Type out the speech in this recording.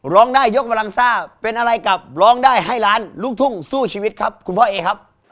ร้องได้ยกกำลังซ่าเป็นอะไรกับร้องได้ให้ล้านลูกทุ่งสู้ชีวิตครับคุณพ่อเอครับ